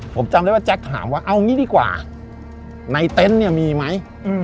ผมจำได้ว่าแจ๊คถามว่าเอางี้ดีกว่าในเต็นต์เนี่ยมีไหม